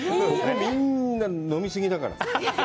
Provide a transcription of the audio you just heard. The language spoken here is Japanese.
みんな、飲み過ぎだから！